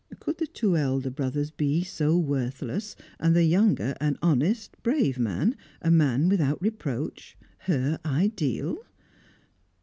Could the two elder brothers be so worthless, and the younger an honest, brave man, a man without reproach her ideal?